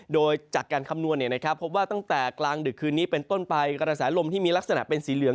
โดยจากการคำนวณพบว่าตั้งแต่กลางดึกคืนนี้เป็นต้นไปกระแสลมที่มีลักษณะเป็นสีเหลือง